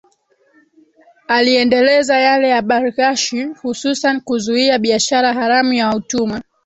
Aliendeleza yale ya Barghash hususan kuzuia biashara haramu ya utumwa